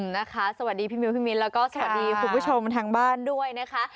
นะคะสวัสดีพี่มิวพี่มิ้นแล้วก็สวัสดีคุณผู้ชมทางบ้านด้วยนะคะ